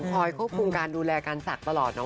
พ่อยควบคุมการดูแลการสักตลอด